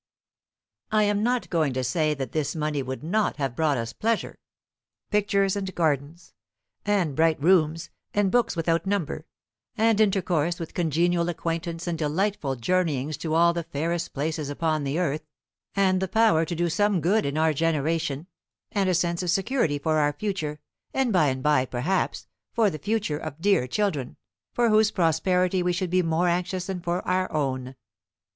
I am not going to say that this money would not have brought us pleasure; pictures and gardens, and bright rooms, and books without number, and intercourse with congenial acquaintance and delightful journeyings to all the fairest places upon the earth, and the power to do some good in our generation, and a sense of security for our future, and by and by, perhaps, for the future of dear children, for whose prosperity we should be more anxious than for our own.